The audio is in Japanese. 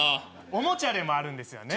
おもちゃでもあるんですよね。